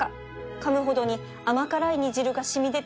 かむほどに甘辛い煮汁が染み出て最高！